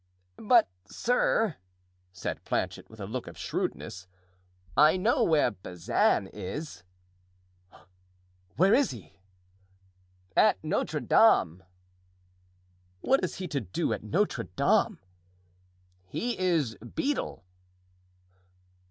"But, sir," said Planchet, with a look of shrewdness, "I know where Bazin is." "Where is he?" "At Notre Dame." "What has he to do at Notre Dame?" "He is beadle."